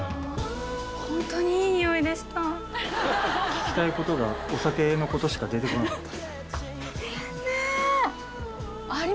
⁉聞きたいことがお酒のことしか出てこなかった。